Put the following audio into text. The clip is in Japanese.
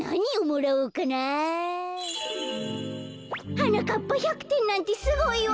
「はなかっぱ１００てんなんてすごいわ。